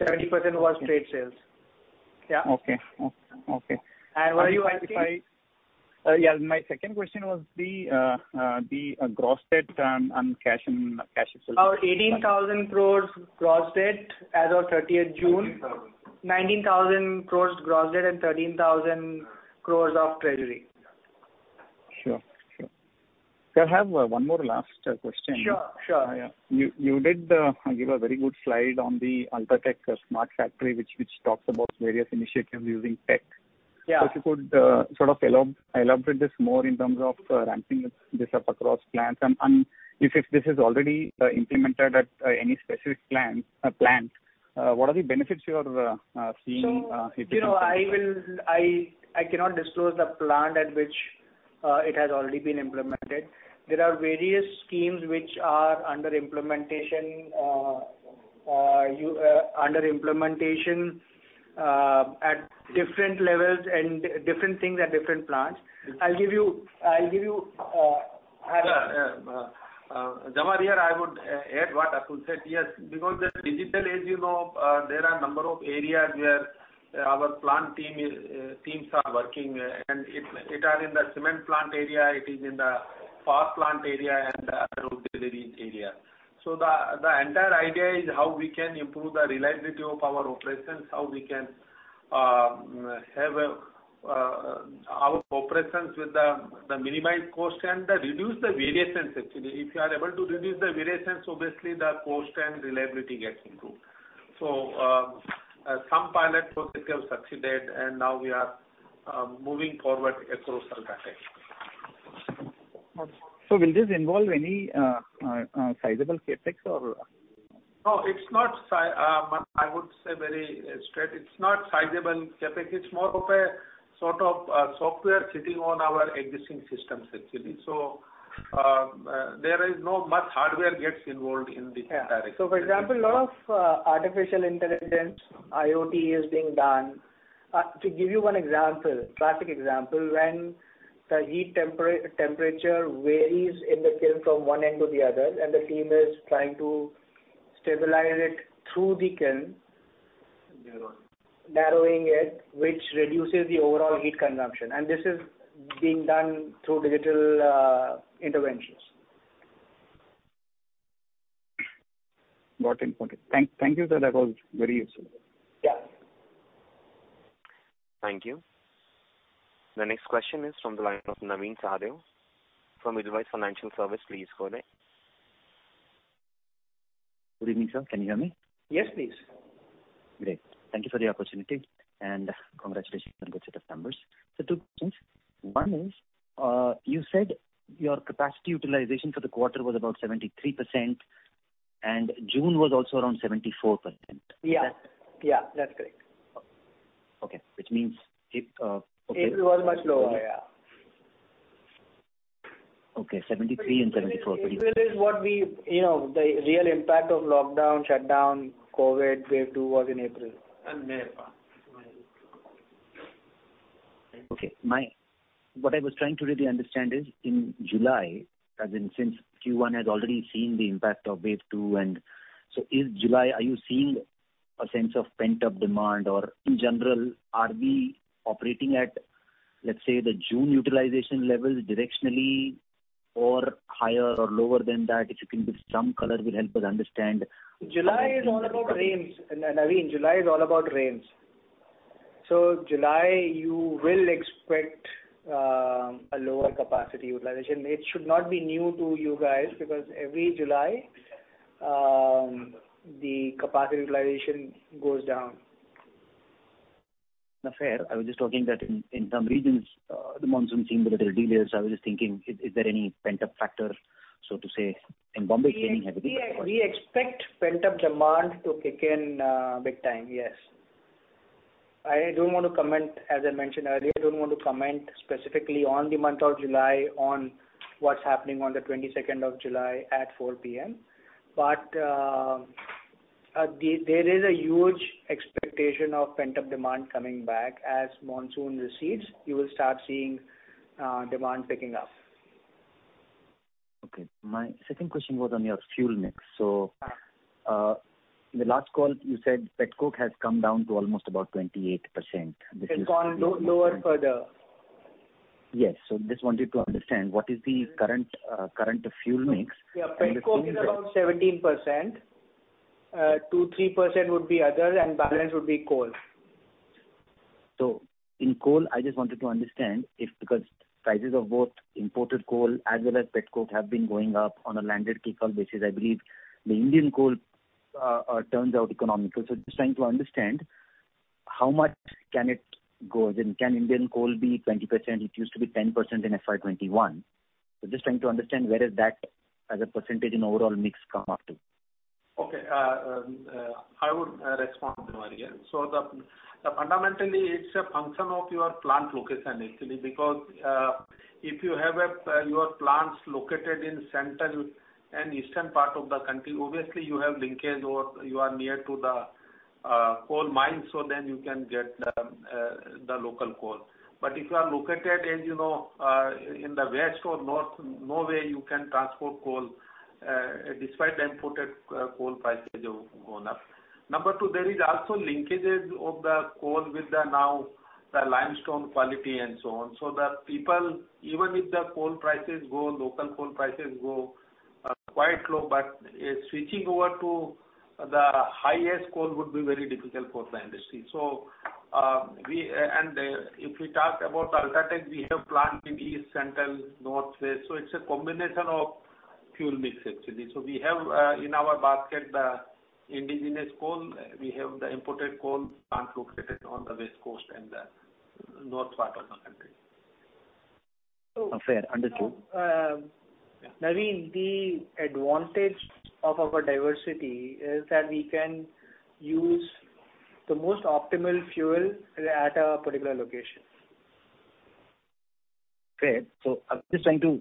Speaker 2: 70% was trade sales. Yeah.
Speaker 11: Okay.
Speaker 2: What are you asking?
Speaker 11: Yeah, my second question was the gross debt and cash flow.
Speaker 2: Our 18,000 crore gross debt as of 30th June.
Speaker 5: 19,000.
Speaker 2: 19,000 crore gross debt and 13,000 crore of treasury.
Speaker 11: Sure. Sir, I have one more last question.
Speaker 2: Sure.
Speaker 11: You did give a very good slide on the UltraTech Smart Factory, which talks about various initiatives using tech.
Speaker 2: Yeah.
Speaker 11: If you could sort of elaborate this more in terms of ramping this up across plants. If this is already implemented at any specific plants, what are the benefits you are seeing?
Speaker 2: I cannot disclose the plant at which it has already been implemented. There are various schemes which are under implementation at different levels and different things at different plants.
Speaker 5: Jhanwar here. I would add what Atul said. Yes, because this digital age, there are number of areas where our plant teams are working, and it is in the cement plant area, it is in the power plant area and the [inaudible] area. The entire idea is how we can improve the reliability of our operations, how we can have our operations with the minimized cost and reduce the variance actually. If you are able to reduce the variance, obviously the cost and reliability gets improved. Some pilot projects have succeeded and now we are moving forward across UltraTech.
Speaker 11: Will this involve any sizable CapEx or?
Speaker 5: No, I would say it is not sizable CapEx. It is more of a sort of software sitting on our existing systems, actually. There is not much hardware gets involved in this direction.
Speaker 2: Yeah. For example, a lot of artificial intelligence, IoT is being done. To give you one example, classic example, when the heat temperature varies in the kiln from one end to the other, and the team is trying to stabilize it through the kiln.
Speaker 5: Narrowing.
Speaker 2: Narrowing it, which reduces the overall heat consumption. This is being done through digital interventions.
Speaker 11: Got it. Thank you, sir. That was very useful.
Speaker 2: Yeah.
Speaker 1: Thank you. The next question is from the line of Navin Sahadeo from Edelweiss Financial Services. Please go ahead.
Speaker 12: Good evening, sir. Can you hear me?
Speaker 2: Yes, please.
Speaker 12: Great. Thank you for the opportunity, congratulations on good set of numbers. Two questions. One is, you said your capacity utilization for the quarter was about 73%, June was also around 74%.
Speaker 2: Yeah. That's correct.
Speaker 12: Okay. Which means.
Speaker 2: April was much lower, yeah.
Speaker 12: Okay, 73% and 74%.
Speaker 2: The real impact of lockdown, shutdown, COVID wave two was in April.
Speaker 5: May part.
Speaker 12: Okay. What I was trying to really understand is in July, as in since Q1 has already seen the impact of wave two, and so in July, are you seeing a sense of pent-up demand or in general, are we operating at, let's say, the June utilization levels directionally or higher or lower than that? If you can give some color will help us understand.
Speaker 2: Navin, July is all about rains. July, you will expect a lower capacity utilization. It should not be new to you guys because every July, the capacity utilization goes down.
Speaker 12: Fair. I was just talking that in some regions, the monsoon seemed a little delayed, so I was just thinking, is there any pent-up factor, so to say, in Bombay?
Speaker 2: We expect pent-up demand to kick in big time, yes. I don't want to comment, as I mentioned earlier, I don't want to comment specifically on the month of July on what's happening on the 22nd of July at 4:00 P.M. There is a huge expectation of pent-up demand coming back. As monsoon recedes, you will start seeing demand picking up.
Speaker 12: Okay. My second question was on your fuel mix.
Speaker 2: Yeah.
Speaker 12: In the last call, you said petcoke has come down to almost about 28%, which is.
Speaker 2: It's gone lower further.
Speaker 12: Yes. Just wanted to understand what is the current fuel mix?
Speaker 2: Yeah, petcoke is around 17%, 2%, 3% would be other, and the balance would be coal.
Speaker 12: In coal, I just wanted to understand if, because prices of both imported coal as well as petcoke have been going up on a landed [inaudible] basis. I believe the Indian coal turns out economical. Just trying to understand how much can it go? As in, can Indian coal be 20%? It used to be 10% in FY 2021. Just trying to understand where is that as a percentage in overall mix come up to.
Speaker 5: Okay. I would respond, Jhanwar, here. Fundamentally, it's a function of your plant location, actually. If you have your plants located in central and eastern part of the country, obviously you have linkage or you are near to the coal mine. Then you can get the local coal. If you are located, as you know, in the west or north, no way you can transport coal, despite the imported coal prices have gone up. Number two, there is also linkages of the coal with the limestone quality and so on. The people, even if the local coal prices go quite low, but switching over to the highest coal would be very difficult for the industry. If we talk about UltraTech, we have plants in east, central, north, west. It's a combination of fuel mix, actually. We have, in our basket, the indigenous coal, we have the imported coal, plants located on the west coast and the north part of the country.
Speaker 12: Fair. Understood.
Speaker 2: Navin, the advantage of our diversity is that we can use the most optimal fuel at a particular location.
Speaker 12: Fair. I'm just trying to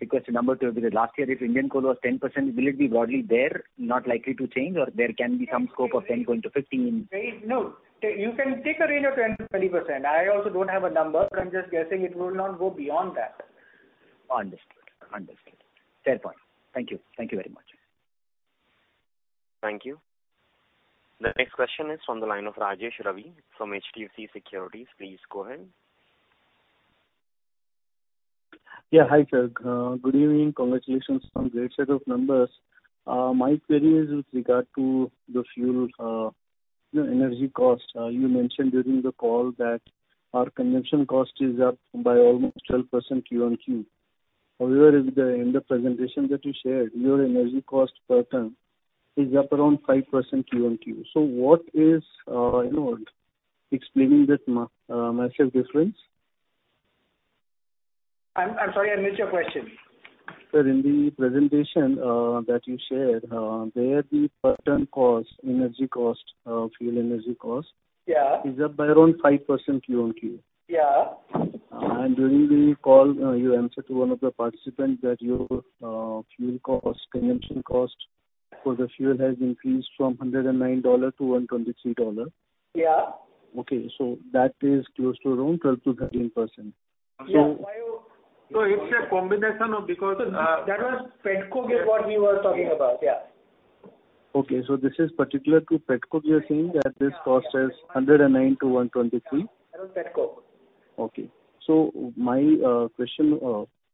Speaker 12: request a number to be the last year if Indian coal was 10%, will it be broadly there, not likely to change, or there can be some scope of 10% going to 15%?
Speaker 2: No. You can take a range of 10%-20%. I also don't have a number, but I'm just guessing it will not go beyond that.
Speaker 12: Understood. Fair point. Thank you. Thank you very much.
Speaker 1: Thank you. The next question is from the line of Rajesh Ravi from HDFC Securities. Please go ahead.
Speaker 13: Hi, sir. Good evening. Congratulations on great set of numbers. My query is with regard to the fuel energy cost. You mentioned during the call that our consumption cost is up by almost 12% QonQ. However, in the presentation that you shared, your energy cost per ton is up around 5% QonQ. What is explaining this massive difference?
Speaker 2: I'm sorry, I missed your question.
Speaker 13: Sir, in the presentation that you shared, there the per ton cost, energy cost, fuel energy cost.
Speaker 2: Yeah.
Speaker 13: Is up by around 5% QoQ.
Speaker 2: Yeah.
Speaker 13: During the call, you answered to one of the participants that your fuel cost, consumption cost for the fuel has increased from $109 to $123.
Speaker 2: Yeah.
Speaker 13: Okay. That is close to around 12%-13%.
Speaker 2: Yeah. It's a combination of. That was petcoke is what he was talking about, yeah.
Speaker 13: This is particular to petcoke, we are seeing that this cost is $109-$123.
Speaker 2: That was petcoke.
Speaker 13: My question,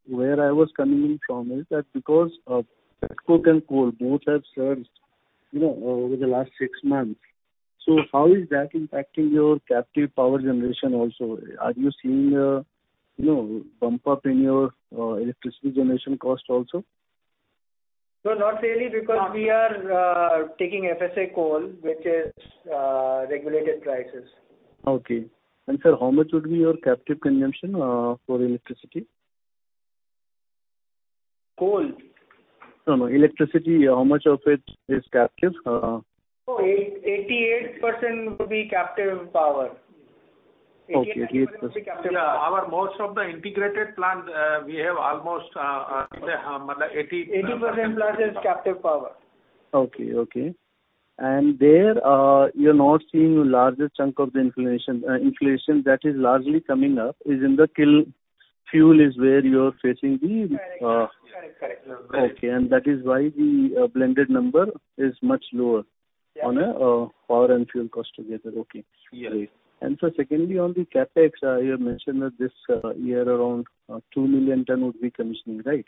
Speaker 13: where I was coming in from is that because petcoke and coal, both have surged over the last six months. How is that impacting your captive power generation also? Are you seeing a, you know, bump up in your electricity generation cost also?
Speaker 2: No, not really, because we are taking FSA coal, which is regulated prices.
Speaker 13: Okay. Sir, how much would be your captive consumption for electricity?
Speaker 2: Coal?
Speaker 13: No, electricity, how much of it is captive?
Speaker 2: Oh, 88% would be captive power.
Speaker 13: Okay.
Speaker 5: Our most of the integrated plants, we have almost 80%.
Speaker 2: 80% plants is captive power.
Speaker 13: Okay. There, you're not seeing larger chunk of the inflation. Inflation that is largely coming up is in the kiln fuel is where you're facing.
Speaker 2: Correct.
Speaker 13: Okay. That is why the blended number is much lower.
Speaker 2: Yeah.
Speaker 13: On a power and fuel cost together. Okay.
Speaker 2: Yeah.
Speaker 13: Sir, secondly, on the CapEx, you have mentioned that this year around 2 million tons would be commissioning, right?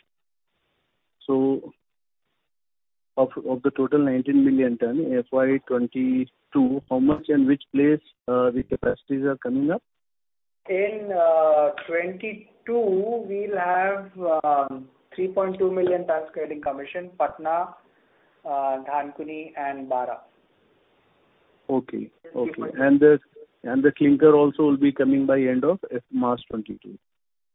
Speaker 13: Of the total 19 million tons FY 2022, how much and which place the capacities are coming up?
Speaker 2: In 2022, we'll have 3.2 million tons getting commissioned, Patna, Dhankuni, and Bara.
Speaker 13: Okay. The clinker also will be coming by end of March 2022.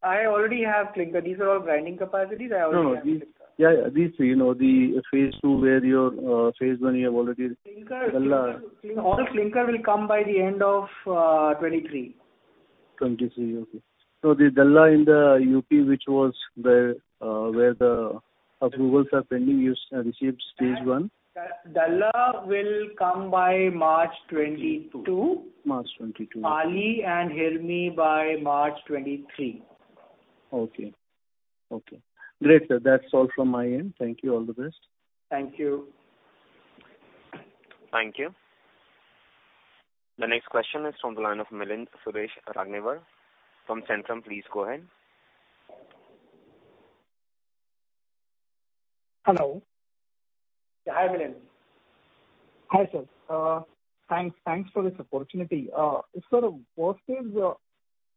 Speaker 2: I already have clinker. These are all grinding capacities. I already have clinker.
Speaker 13: Yeah. These three, the phase II where your phase I you have already
Speaker 2: Clinker. All clinker will come by the end of 2023.
Speaker 13: 2023. Okay. The Dalla in the U.P., which was where the approvals are pending, you received stage one?
Speaker 2: Dalla will come by March 2022.
Speaker 13: March 2022.
Speaker 2: Pali and Hirmi by March 2023.
Speaker 13: Okay. Great, sir. That's all from my end. Thank you. All the best.
Speaker 2: Thank you.
Speaker 1: Thank you. The next question is from the line of Milind Suresh Raginwar from Centrum. Please go ahead.
Speaker 14: Hello.
Speaker 2: Hi, Milind.
Speaker 14: Hi, sir. Thanks for this opportunity. Sir,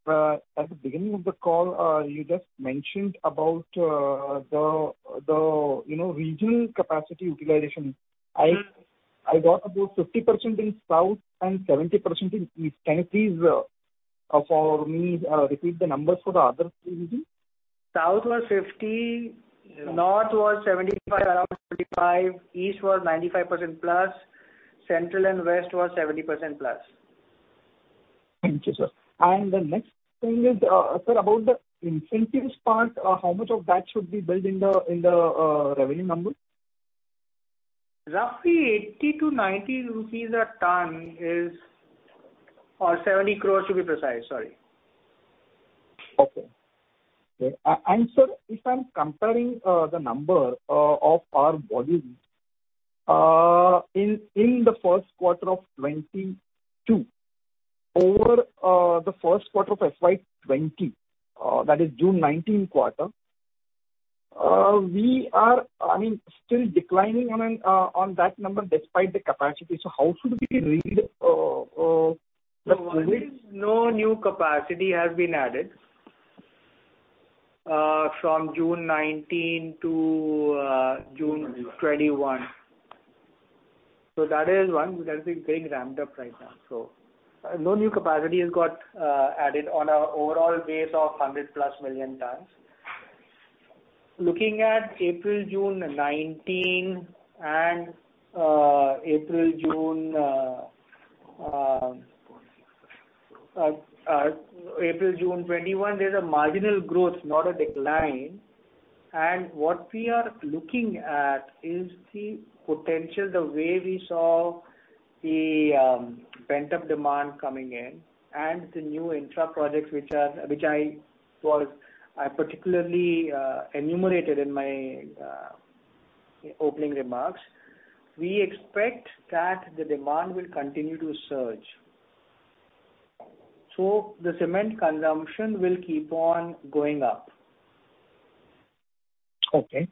Speaker 14: at the beginning of the call, you just mentioned about the regional capacity utilization. I got about 50% in South and 70% in East. Can you please, for me, repeat the numbers for the other three regions?
Speaker 2: South was 50%, North was 75%, around 75%. East was 95%+. Central and West was 70%+.
Speaker 14: Thank you, sir. The next thing is, sir, about the incentives part, how much of that should be built in the revenue number?
Speaker 2: Roughly 80-90 rupees a ton, or 70 crore to be precise, sorry.
Speaker 14: Okay. Sir, if I'm comparing the number of our volumes in the first quarter of 2022 over the first quarter of FY 2020, that is June 2019 quarter, we are still declining on that number despite the capacity. How should we read?
Speaker 2: No new capacity has been added from June 2019 to June 2021. That is one. That is being ramped up right now. No new capacity has got added on our overall base of 100+ million tons. Looking at April-June 2019 and April-June 2021, there's a marginal growth, not a decline. What we are looking at is the potential, the way we saw the pent-up demand coming in and the new infra projects which I particularly enumerated in my opening remarks. We expect that the demand will continue to surge. The cement consumption will keep on going up.
Speaker 14: Okay.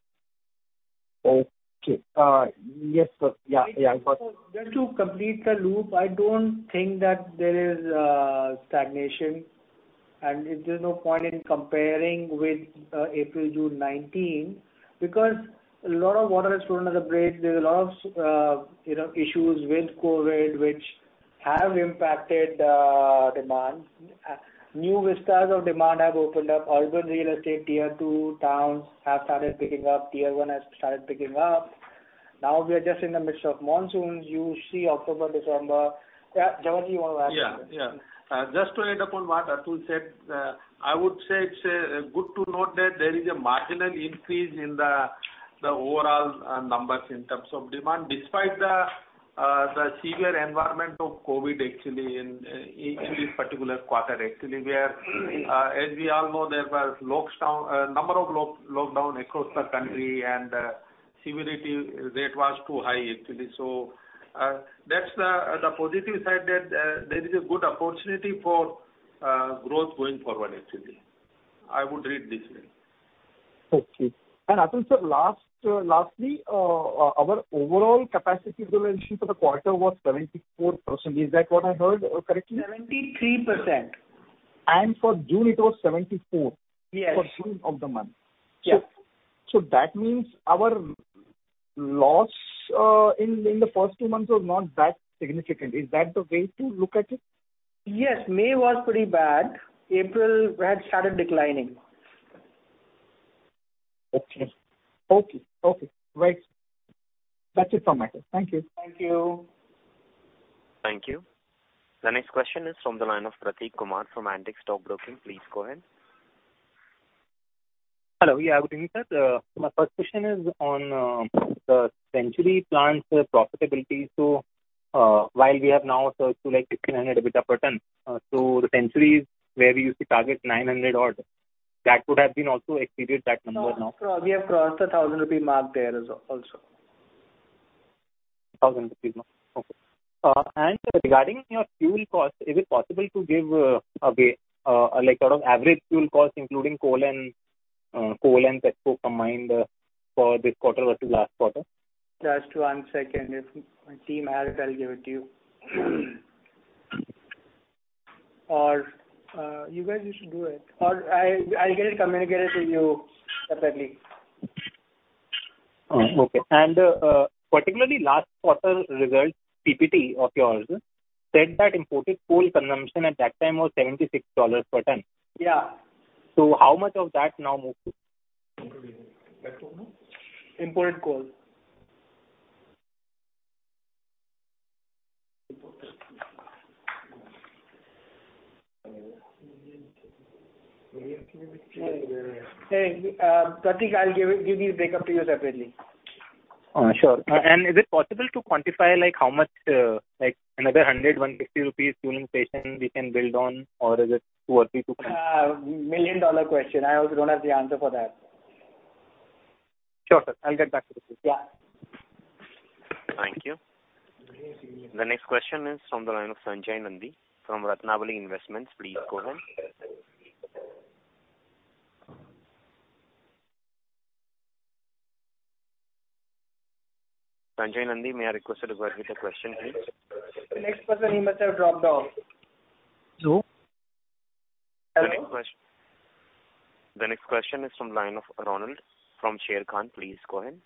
Speaker 14: Yes, sir.
Speaker 2: Just to complete the loop, I don't think that there is stagnation, and there's no point in comparing with April, June 2019, because a lot of water has flown under the bridge. There's a lot of issues with COVID which have impacted demand. New vistas of demand have opened up. Urban real estate, tier two towns have started picking up. Tier one has started picking up. Now we are just in the midst of monsoons. You see October, December. Jhanwar, do you want to add something?
Speaker 5: Just to add upon what Atul said, I would say it's good to note that there is a marginal increase in the overall numbers in terms of demand, despite the severe environment of COVID actually in this particular quarter. We all know, there were a number of lockdown across the country and severity rate was too high, actually. That's the positive side, that there is a good opportunity for growth going forward, actually. I would read this way.
Speaker 14: Okay. Atul sir, lastly, our overall capacity utilization for the quarter was 74%. Is that what I heard correctly?
Speaker 2: 73%.
Speaker 14: For June it was 74%.
Speaker 2: Yes.
Speaker 14: For June of the month.
Speaker 2: Yeah.
Speaker 14: That means our loss in the first two months was not that significant. Is that the way to look at it?
Speaker 2: Yes, May was pretty bad. April, we had started declining.
Speaker 14: Okay. Great. That's it from my side. Thank you.
Speaker 2: Thank you.
Speaker 1: Thank you. The next question is from the line of Prateek Kumar from Antique Stock Broking. Please go ahead.
Speaker 15: Hello. Good evening, sir. My first question is on the Century plant profitability. While we have now surged to [inaudible] EBITDA per ton, so the Century where we used to target 900 odd, that would have been also exceeded that number now.
Speaker 2: No. We have crossed the 1,000 rupee mark there also.
Speaker 15: 1,000 rupees mark. Okay. Sir, regarding your fuel cost, is it possible to give away sort of average fuel cost including coal and petcoke combined for this quarter versus last quarter?
Speaker 2: Just one second. If my team has it, I'll give it to you. You guys should do it, or I'll get it communicated to you separately.
Speaker 15: Okay. Particularly last quarter results, PPT of yours said that imported coal consumption at that time was $76 per ton.
Speaker 2: Yeah.
Speaker 15: How much of that now moved?
Speaker 5: Including petcoke now?
Speaker 2: Imported coal. Prateek, I'll give these breakups to you separately.
Speaker 15: Sure. Is it possible to quantify how much, like another 100, 150 rupees [inaudible] we can build on, or is it too early to tell?
Speaker 2: Million-dollar question. I also don't have the answer for that.
Speaker 15: Sure, sir. I'll get back to you.
Speaker 2: Yeah.
Speaker 1: Thank you. The next question is from the line of Sanjay Nandi from Ratnabali Investments. Please go ahead. Sanjay Nandi, may I request you to go ahead with your question, please?
Speaker 2: The next person, he must have dropped off.
Speaker 5: Hello?
Speaker 2: Hello?
Speaker 1: The next question is from the line of [Ronald] from Sharekhan. Please go ahead.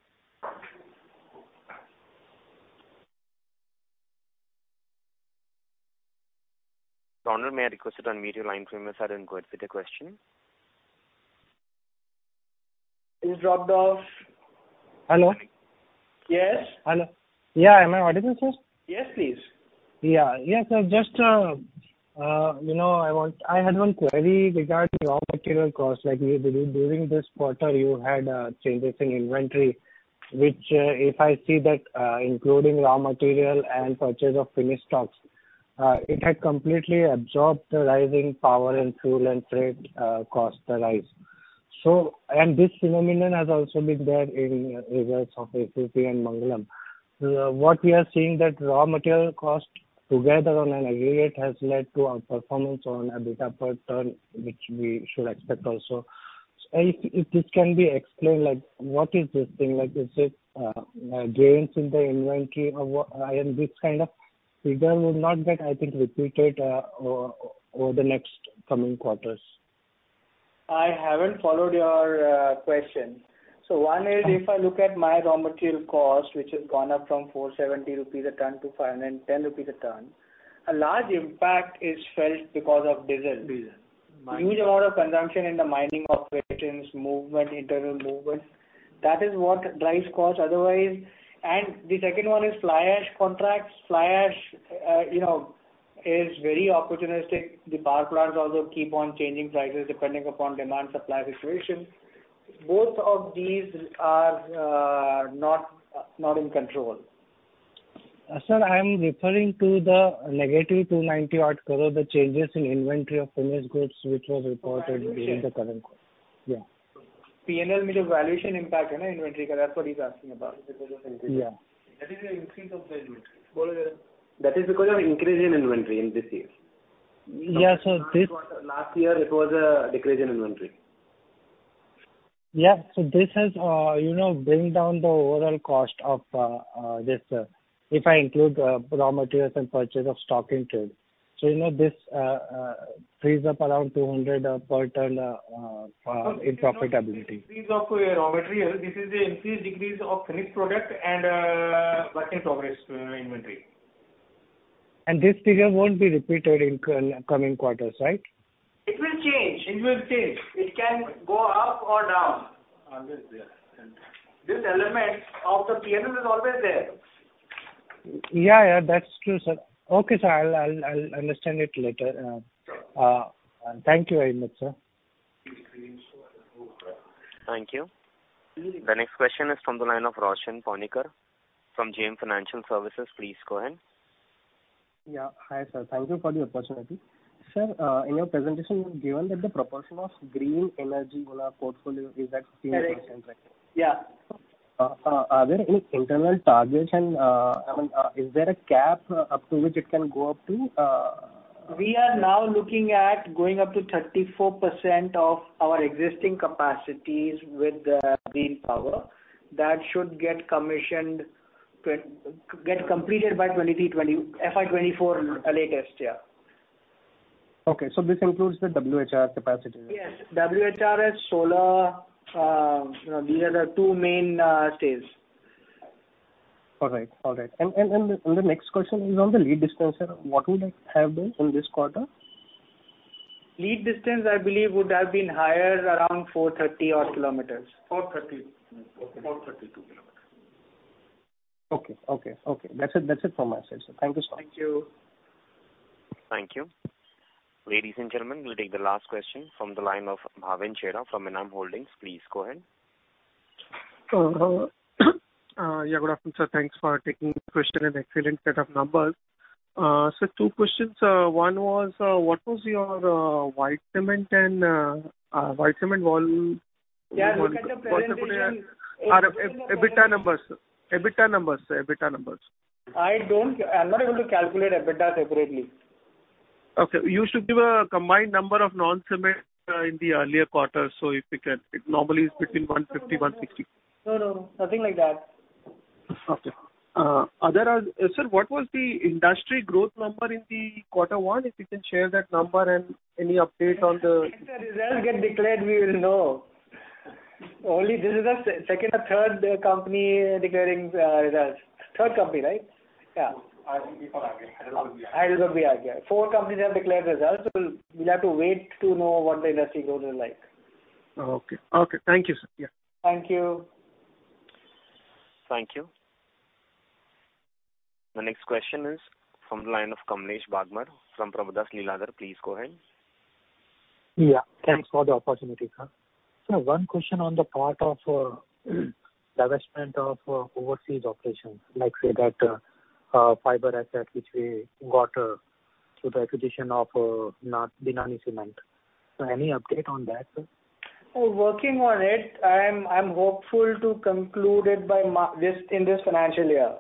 Speaker 1: Ronald, may I request that unmute your line [inaudible] and go ahead with the question.
Speaker 2: He's dropped off.
Speaker 16: Hello?
Speaker 2: Yes.
Speaker 16: Hello. Yeah. Am I audible, sir?
Speaker 2: Yes, please.
Speaker 16: Yeah. Yes, sir, just I had one query regarding raw material cost. During this quarter, you had changes in inventory, which, if I see that, including raw material and purchase of finished stocks, it had completely absorbed the rising power and fuel and freight cost rise. This phenomenon has also been there in results of ACC and Mangalam. What we are seeing that raw material cost together on an aggregate has led to our performance on EBITDA per ton, which we should expect also. If this can be explained, what is this thing? Is it gains in the inventory? This kind of figure will not get, I think, repeated over the next coming quarters.
Speaker 2: I haven't followed your question. One is, if I look at my raw material cost, which has gone up from 470 rupees a ton to 510 rupees a ton, a large impact is felt because of diesel.
Speaker 5: Diesel.
Speaker 2: Huge amount of consumption in the mining operations, internal movements. That is what drives cost otherwise. The second one is fly ash contracts. Fly ash is very opportunistic. The power plants also keep on changing prices depending upon demand/supply situation. Both of these are not in control.
Speaker 16: Sir, I am referring to the -298 crore, the changes in inventory of finished goods which was reported during the current quarter.
Speaker 2: P&L valuation impact inventory, that's what he's asking about because of increase.
Speaker 16: Yeah.
Speaker 5: That is the increase of the inventory.
Speaker 2: That is because of increase in inventory in this year.
Speaker 16: Yeah.
Speaker 2: Last year, it was a decrease in inventory.
Speaker 16: Yeah. This has bring down the overall cost of this if I include raw materials and purchase of stock into it. This frees up around 200 per ton in profitability.
Speaker 2: This is off to a raw material. This is the increased decrease of finished product and work in progress inventory.
Speaker 16: This figure won't be repeated in coming quarters, right?
Speaker 2: It will change. It can go up or down.
Speaker 5: Always there.
Speaker 2: This element of the P&L is always there.
Speaker 16: Yeah. That's true, sir. Okay, sir, I'll understand it later.
Speaker 2: Sure.
Speaker 16: Thank you very much, sir.
Speaker 1: Thank you. The next question is from the line of Roshan Paunikar from JM Financial Services. Please go ahead.
Speaker 17: Yeah. Hi, sir. Thank you for the opportunity. Sir, in your presentation, you've given that the proportion of green energy on our portfolio is at 30%, right?
Speaker 2: Correct. Yeah.
Speaker 17: Are there any internal targets and is there a cap up to which it can go up to?
Speaker 2: We are now looking at going up to 34% of our existing capacities with green power. That should get completed by FY 2024 latest year.
Speaker 17: Okay. This includes the WHR capacity?
Speaker 2: Yes. WHR, solar, these are the two mainstays.
Speaker 17: All right. The next question is on the lead distance, sir. What would it have been in this quarter?
Speaker 2: Lead distance, I believe would have been higher, around 430 odd km.
Speaker 5: 432 km.
Speaker 17: Okay. That's it from my side, sir. Thank you, sir.
Speaker 2: Thank you.
Speaker 1: Thank you. Ladies and gentlemen, we'll take the last question from the line of [inaudible] from Menon Holdings. Please go ahead.
Speaker 18: Yeah. Good afternoon, sir. Thanks for taking the question and excellent set of numbers. Sir, two questions. One was, what was your white cement volume?
Speaker 2: Yeah. Look at the presentation.
Speaker 18: EBITDA numbers.
Speaker 2: I'm not able to calculate EBITDA separately.
Speaker 18: Okay. You should give a combined number of non-cement in the earlier quarters, so if you can. It normally is between 150-160.
Speaker 2: No, nothing like that.
Speaker 18: Okay. Sir, what was the industry growth number in the quarter one? If you can share that number and any update on the.
Speaker 2: If the results get declared, we will know. Only this is the second or third company declaring results. Third company, right? Yeah.
Speaker 5: [inaudible]
Speaker 2: [inaudible] Four companies have declared results, so we'll have to wait to know what the industry growth is like.
Speaker 18: Okay. Thank you, sir. Yeah.
Speaker 2: Thank you.
Speaker 1: Thank you. The next question is from the line of Kamlesh Bagmar from Prabhudas Lilladher. Please go ahead.
Speaker 19: Yeah. Thanks for the opportunity, sir. Sir, one question on the part of divestment of overseas operations, like say that [inaudible] asset which we got through the acquisition of Binani Cement. Any update on that, sir?
Speaker 2: We're working on it. I am hopeful to conclude it in this financial year.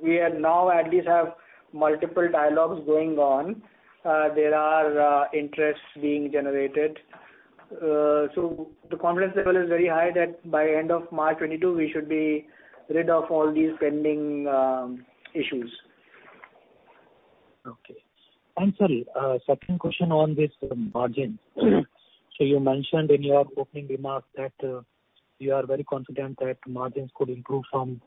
Speaker 2: We now at least have multiple dialogues going on. There are interests being generated. The confidence level is very high that by end of March 2022, we should be rid of all these pending issues.
Speaker 19: Okay. Sir, second question on this margin. You mentioned in your opening remarks that you are very confident that margins could improve from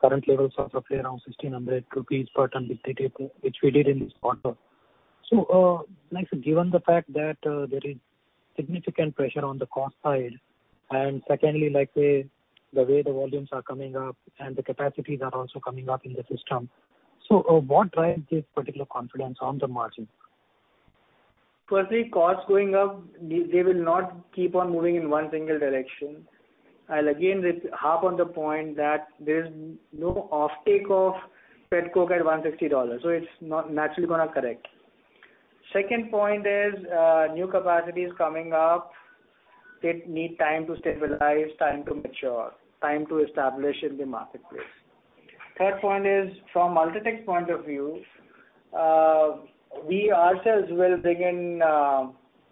Speaker 19: current levels are roughly around 1,600 rupees per ton which we did in this quarter. Next, given the fact that there is significant pressure on the cost side, and secondly, the way the volumes are coming up and the capacities are also coming up in the system. What drives this particular confidence on the margin?
Speaker 2: Costs going up, they will not keep on moving in one single direction. I'll again harp on the point that there is no off-take of petcoke at $150. It's not naturally going to correct. Second point is, new capacities coming up. They need time to stabilize, time to mature, time to establish in the marketplace. Third point is from UltraTech point of view, we ourselves will begin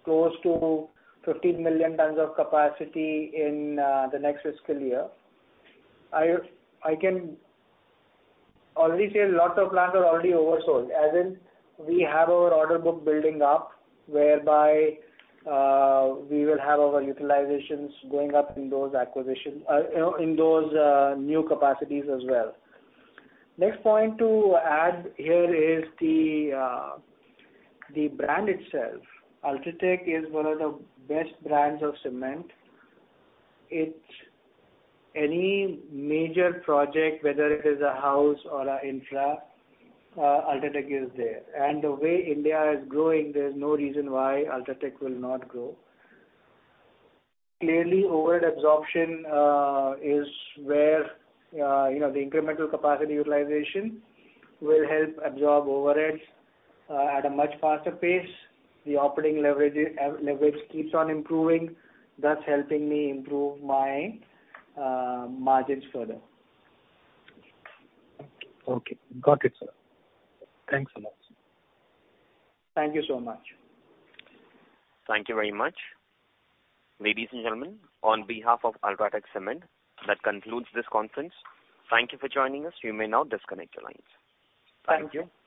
Speaker 2: close to 50 million tons of capacity in the next fiscal year. I can already say lots of plants are already oversold. We have our order book building up whereby we will have our utilizations going up in those new capacities as well. Next point to add here is the brand itself. UltraTech is one of the best brands of cement. Any major project, whether it is a house or an infra, UltraTech is there. The way India is growing, there's no reason why UltraTech will not grow. Clearly, overhead absorption is where the incremental capacity utilization will help absorb overheads at a much faster pace. The operating leverage keeps on improving, thus helping me improve my margins further.
Speaker 19: Okay. Got it, sir. Thanks a lot.
Speaker 2: Thank you so much.
Speaker 1: Thank you very much. Ladies and gentlemen, on behalf of UltraTech Cement, that concludes this conference. Thank you for joining us. You may now disconnect your lines.
Speaker 2: Thank you.